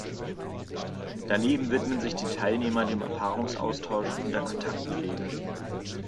Daneben widmen sich die Teilnehmer dem Erfahrungsaustausch und der Kontaktpflege.